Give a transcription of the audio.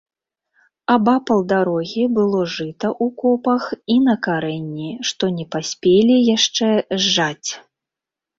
Абапал дарогі было жыта ў копах і на карэнні, што не паспелі яшчэ зжаць.